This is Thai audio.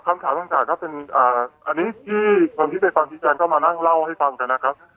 คำถามต่างก็เป็นอันนี้ที่คนที่ไปฟังชี้แจงก็มานั่งเล่าให้ฟังกันนะครับ